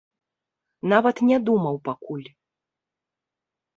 Нават не думаў пакуль.